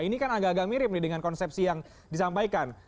ini kan agak agak mirip nih dengan konsepsi yang disampaikan